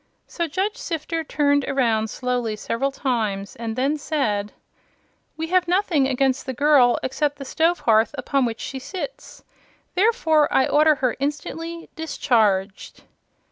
So Judge Sifter turned around slowly several times and then said: "We have nothing against the girl except the stove hearth upon which she sits. Therefore I order her instantly discharged."